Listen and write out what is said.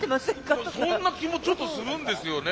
そんな気もちょっとするんですよね。